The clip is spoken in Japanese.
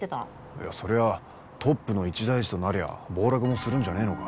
いやそりゃトップの一大事となりゃ暴落もするんじゃねえのか？